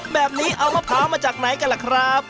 แบบนี้เอามะพร้าวมาจากไหนกันล่ะครับ